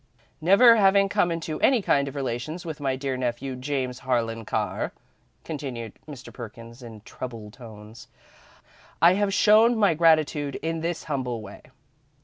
"Never having come into any kind of relations with my dear nephew, James Harlan Carr," continued Mr. Perkins, in troubled tones, "I have shown my gratitude in this humble way.